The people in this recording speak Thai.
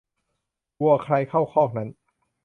วัวใครเข้าคอกนั้น